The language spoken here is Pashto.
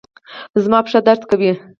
زما پښه درد کوي